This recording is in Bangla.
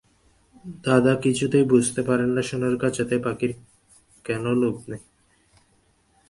দাদা কিছুতেই বুঝতে পারেন না সোনার খাঁচাতে পাখির কেন লোভ নেই।